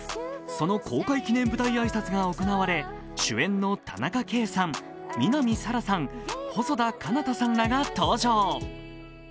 その公開記念舞台挨拶が行われ主演の田中圭さん、南沙良さん、細田佳央太さんらが登場。